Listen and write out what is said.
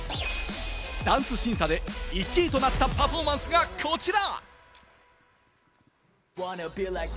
ダンス審査で１位となったパフォーマンスがこちら。